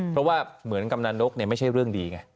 เพราะว่าเหมือนกำนันนกไม่ใช่เรื่องดีไง